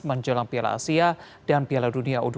menjelang piala asia dan piala dunia u dua puluh